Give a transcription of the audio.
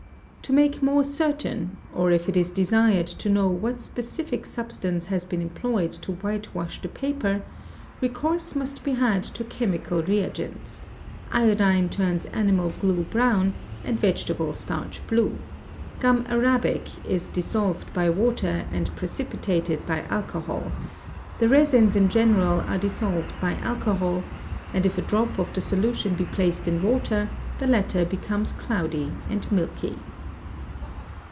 To make more certain, or if it is desired to know _ what specific substance has been employed to white wash the paper, | recourse must be had to chemical reagents: iodine turns animal glue brown and vegetable starch blue; gum arabic is dissolved by water and precipated by alcohol; the resins in general are dissolved by alcohol, and if a drop of the solution be placed in water, the latter becomes cloudy and milky.